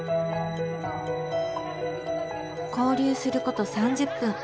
交流すること３０分。